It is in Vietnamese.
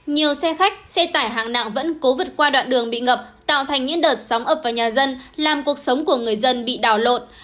nhiều xe khách xe tải hạng nặng vẫn cố vượt qua đoạn đường bị ngập tạo thành những đợt sóng ập vào nhà dân làm cuộc sống của người dân bị đảo lộn